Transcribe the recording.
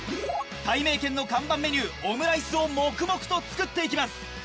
たいめいけんの看板メニューオムライスを黙々と作っていきます。